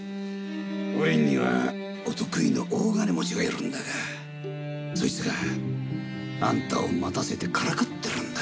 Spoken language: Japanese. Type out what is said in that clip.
おりんにはお得意の大金持ちがいるんだがそいつがあんたを待たせてからかってるんだよ。